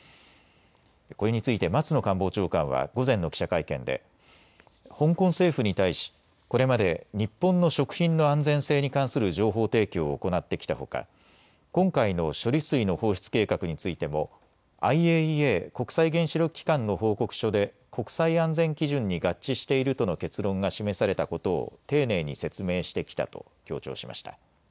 これについて松野官房長官は午前の記者会見で香港政府に対しこれまで日本の食品の安全性に関する情報提供を行ってきたほか今回の処理水の放出計画についてもＩＡＥＡ・国際原子力機関の報告書で国際安全基準に合致しているとの結論が示されたことを丁寧に説明してきたと強調しました。